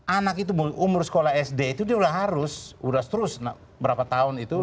anak itu umur sekolah sd itu dia udah harus udah terus berapa tahun itu